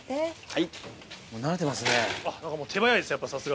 はい。